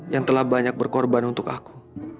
yang telah banyak berkorban untuk aku